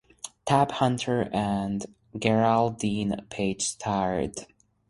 Tab Hunter and Geraldine Page starred.